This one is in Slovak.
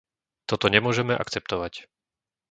Toto nemôžeme akceptovať.